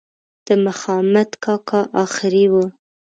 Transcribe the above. د مخامد کاکا آخري وه.